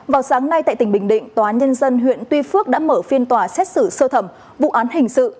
vào sáng nay tại tỉnh bình định tòa nhân dân huyện tuy phước đã mở phiên tòa xét xử sơ thẩm vụ án hình sự